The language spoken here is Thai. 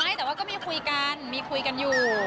ไม่แต่ว่าก็มีคุยกันมีคุยกันอยู่